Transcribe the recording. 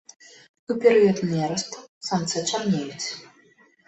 У перыяд нерасту самцы чарнеюць.